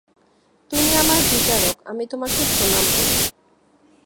তুমি আমার বিচারক, আমি তোমাকে প্রণাম করি।